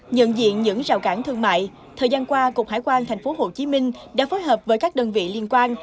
nhận diện những rào cản thương mại thời gian qua cục hải quan tp hcm đã phối hợp với các đơn vị liên quan